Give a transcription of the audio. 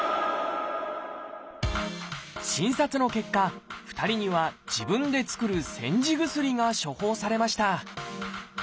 診察の結果２人には自分で作る「煎じ薬」が処方されました。